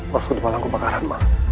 workshop di malang kebakaran